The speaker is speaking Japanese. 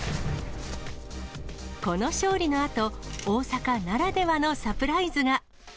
この勝利のあと、大阪ならではのサプライズが。